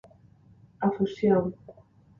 A fusión.